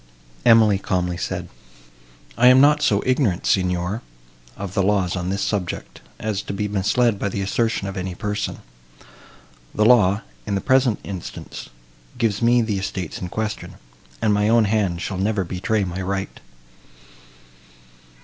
Emily calmly said, "I am not so ignorant, Signor, of the laws on this subject, as to be misled by the assertion of any person. The law, in the present instance, gives me the estates in question, and my own hand shall never betray my right."